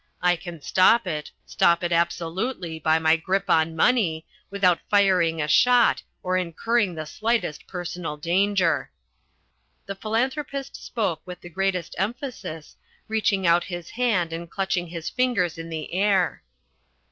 I can stop it, stop it absolutely by my grip on money, without firing a shot or incurring the slightest personal danger." The Philanthropist spoke with the greatest emphasis, reaching out his hand and clutching his fingers in the air.